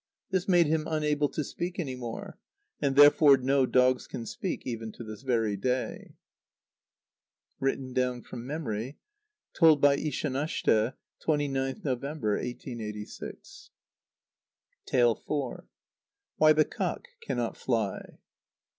This made him unable to speak any more, and therefore no dogs can speak even to this very day. (Written down from memory. Told by Ishanashte, 29th November, 1886.) iv. _Why the Cock cannot fly.